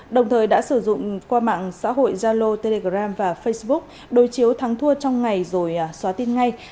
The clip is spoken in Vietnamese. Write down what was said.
đồng thời đã sử dụng qua mạng xã hội zalo telegram và facebook đối chiếu thắng thua trong ngày rồi xóa tin ngay